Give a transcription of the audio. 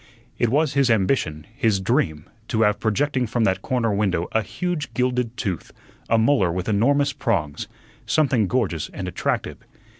It was his ambition, his dream, to have projecting from that corner window a huge gilded tooth, a molar with enormous prongs, something gorgeous and attractive.